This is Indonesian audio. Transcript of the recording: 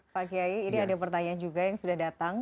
pak kiai ini ada pertanyaan juga yang sudah datang